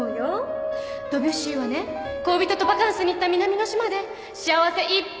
ドビュッシーはね恋人とバカンスに行った南の島で幸せいっぱいに『喜びの島』を書いたのよ